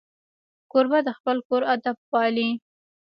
کوربه د خپل کور ادب پالي.